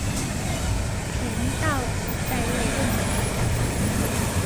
田悼子在位六年而卒。